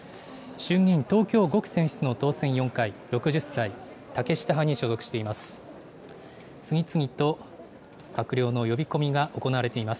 衆議院東京５区選出の当選４回、６０歳、竹下派に所属しています。